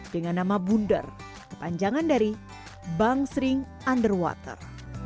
dengan nama bundar kepanjangan dari bangsring underwater